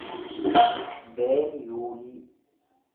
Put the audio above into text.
veeniyuulii